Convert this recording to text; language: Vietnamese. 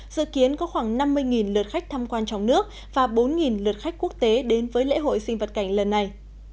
dự kiến có khoảng năm mươi lượt khách tham quan trong nước và bốn lượt khách quốc tế đến với lễ hội sinh vật cảnh lần này